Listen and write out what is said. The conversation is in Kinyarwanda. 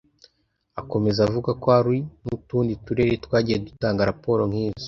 Akomeza avuga ko hari n’utundi Turere twagiye dutanga raporo nk’izo